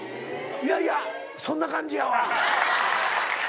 いやいやそんな感じやわ。